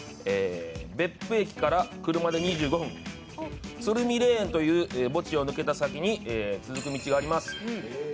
別府駅から車で２５分、鶴見霊園という墓地を抜けた先に続く道があります。